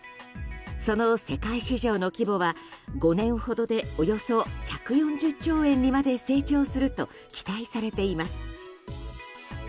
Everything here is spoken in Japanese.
その世界市場の規模は５年ほどでおよそ１４０兆円にまで成長すると期待されています。